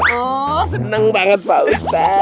oh seneng banget pak ustadz